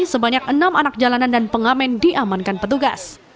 sebanyak enam anak jalanan dan pengamen diamankan petugas